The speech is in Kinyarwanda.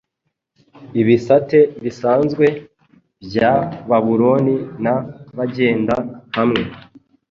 Ibisate bisanzwe bya Babuloni na bagenda hamwe